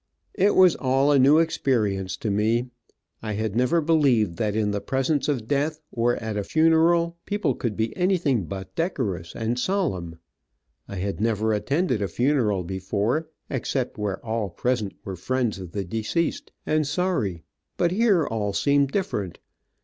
It was all a new experience to me. I had never believed that in the presence of death, or at a funeral, people could be anything but decorous and solemn. I had never attended a funeral before, except where all present were friends of the deceased, and sorry, but here all seemed different.